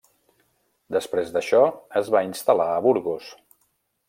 Després d'això es va instal·lar a Burgos.